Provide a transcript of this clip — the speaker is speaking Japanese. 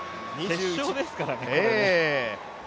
決勝ですからね、これね。